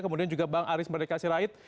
kemudian juga bang arief mardikasirait